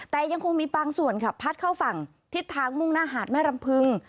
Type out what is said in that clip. แต่ยังคงมีบางส่วนค่ะพัดเข้าฝั่งทิศทางมุ่งหน้าหาดแม่รำพึง